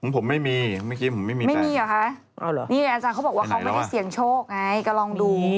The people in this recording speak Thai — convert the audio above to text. ผมไม่มีเมื่อกี้ผมไม่มีไม่มีเหรอคะนี่อาจารย์เขาบอกว่าเขาไม่ได้เสี่ยงโชคไงก็ลองดู